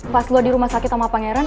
pas lo di rumah sakit sama pangeran